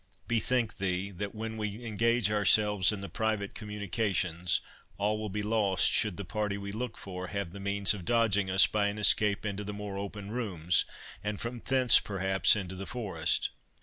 Bethink thee, that when we engage ourselves in the private communications, all will be lost should the party we look for have the means of dodging us by an escape into the more open rooms, and from thence perhaps into the forest."